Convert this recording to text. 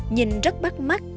nhìn rất bắt mắt